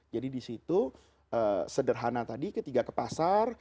jadi disitu sederhana tadi ketika ke pasar